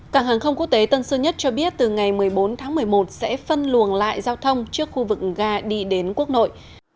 cảng hàng không quốc tế tân sơn nhất cho biết từ ngày một mươi bốn tháng một mươi một sẽ phân luồng lại giao thông trước khu vực ga đi đến quốc nội